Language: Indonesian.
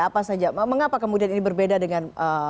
apa saja mengapa kemudian ini berbeda dengan